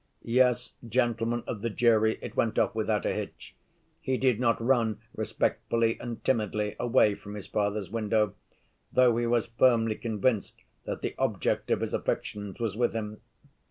Yes, gentlemen of the jury, it went off without a hitch! He did not run respectfully and timidly away from his father's window, though he was firmly convinced that the object of his affections was with him.